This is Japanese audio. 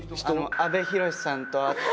阿部寛さんと会って。